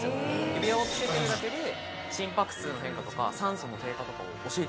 指輪をつけてるだけで心拍数の変化とか酸素の低下とかを教えてくれる。